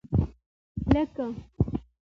لکه.